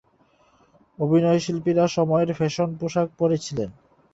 অভিনয়শিল্পীরা সময়ের ফ্যাশনে পোশাক পরেছিলেন।